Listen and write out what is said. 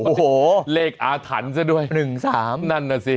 โอ้โหเลขอาถรรพ์ซะด้วย๑๓นั่นน่ะสิ